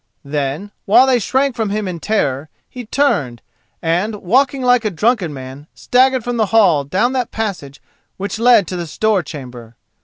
Then, while they shrank from him in terror, he turned, and, walking like a drunken man, staggered from the hall down that passage which led to the store chamber.